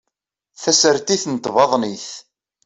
Tasertit n tbaḍnit